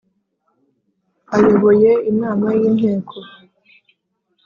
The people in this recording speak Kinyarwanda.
Ayoboye inama y Inteko .